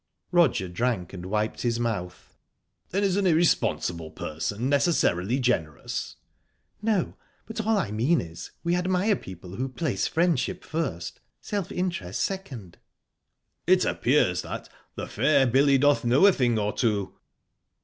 Roger drank, and wiped his mouth. "Then, is an irresponsible person necessarily generous?" "No, but all I mean is, we admire people who place friendship first, self interest second." "It appears that the fair Billy doth know a thing or two!"